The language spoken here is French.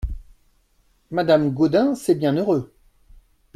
Madame Gaudin C'est bien heureux !